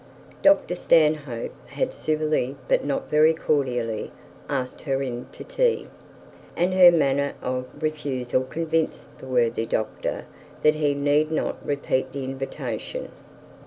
Dr Stanhope had civilly but not very cordially asked her in to tea, and her manner of refusal convinced the worthy doctor that he need not repeat the invitation.